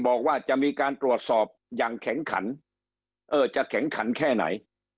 บอกว่าจะมีการตรวจสอบอย่างแข็งขันเออจะแข็งขันแค่ไหน